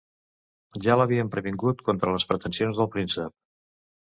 Ja l'havien previngut contra les pretensions del príncep.